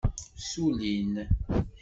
Ssullin.